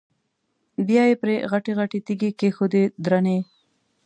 بیا یې پرې غټې غټې تیږې کېښودې درنې.